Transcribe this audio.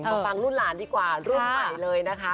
สนับสดใจกับสี่คนนุ่มรุ่นร้านดีกว่ารุ่นใหม่เลยนะคะ